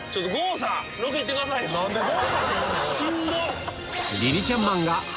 しんどっ！